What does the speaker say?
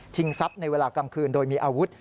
ทรัพย์ในเวลากลางคืนโดยมีอาวุธ